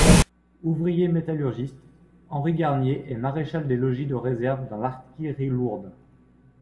Ouvrier métallurgiste, Henri Garnier est maréchal des logis de réserve dans l'artillerie lourde.